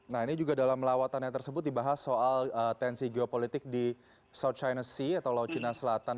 nah ini juga dalam lawatannya tersebut dibahas soal tensi geopolitik di south china sea atau laut cina selatan